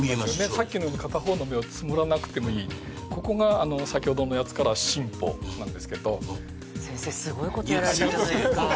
さっきのように片方の目をつむらなくてもいいここがあの先ほどのやつから進歩なんですけどいや先生スゴいですね